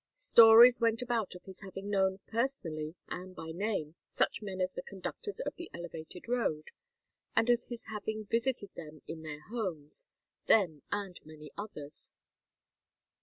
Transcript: Stories went about of his having known, personally and by name, such men as the conductors on the Elevated Road, and of his having visited them in their homes them and many others.